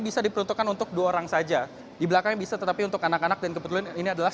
bisa diperuntukkan untuk dua orang saja di belakang bisa tetapi untuk anak anak dan kebetulan ini adalah